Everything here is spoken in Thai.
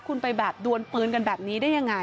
คุณไปแบบดวนปืนกันแบบนี้ได้ยังไง